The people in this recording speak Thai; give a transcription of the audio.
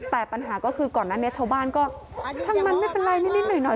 แต่ปัญหาก็คือก่อนหน้านี้ชาวบ้านก็ช่างมันไม่เป็นไรนิดหน่อย